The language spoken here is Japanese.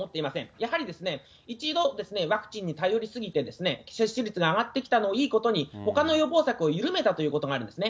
やはり、一度、ワクチンに頼り過ぎて、接種率が上がってきたのをいいことに、ほかの予防策を緩めたということがあるんですね。